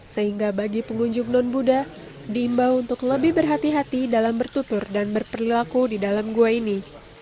sehingga bagi pengunjung non buddha diimbau untuk lebih berhati hati dalam bertutur dan berperilaku di dalam gua ini